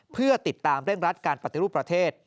เพื่อติดตามเร่งรัดการปฏิรูปประเทศ